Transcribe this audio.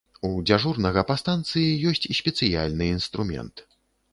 У дзяжурнага па станцыі ёсць спецыяльны інструмент.